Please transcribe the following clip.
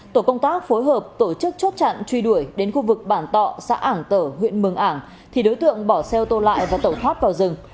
tổ công tác phối hợp tổ chức chốt chặn truy đuổi đến khu vực bản tọ xã tở huyện mường ảng thì đối tượng bỏ xe ô tô lại và tẩu thoát vào rừng